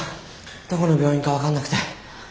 どこの病院か分かんなくて。